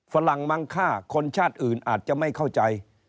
ฝรั่งมังค่าคนชาติอื่นอาจจะไม่เข้าใจ